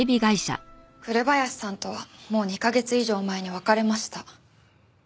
紅林さんとはもう２カ月以上前に別れました。